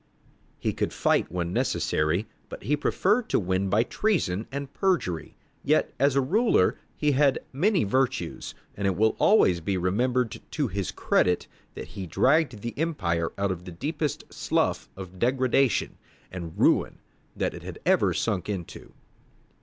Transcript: He could fight when necessary, but he preferred to win by treason and perjury. Yet as a ruler he had many virtues, and it will always be remembered to his credit that he dragged the empire out of the deepest slough of degradation and ruin that it had ever sunk into.